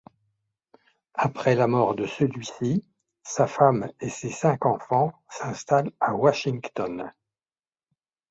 Après la mort de celui-ci, sa femme et ses cinq enfants s'installent à Washington.